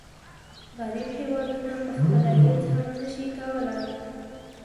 غریب هېوادونه پخپله هیڅ هم نشي کولای.